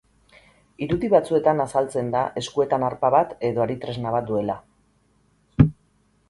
Irudi batzuetan azaltzan da eskuetan arpa bat edo ari-tresna bat duela.